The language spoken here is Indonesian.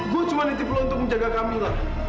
gue cuma ditipu untuk menjaga kamilah